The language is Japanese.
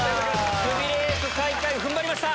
クビレース最下位踏ん張りました。